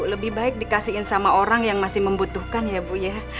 lebih baik dikasihin sama orang yang masih membutuhkan ya bu ya